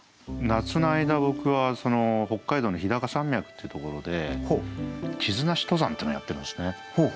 夏の間僕は北海道の日高山脈っていうところで地図なし登山っていうのをやってるんですね。